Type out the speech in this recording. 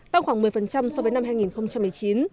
tăng khoảng một mươi so với năm hai nghìn một mươi chín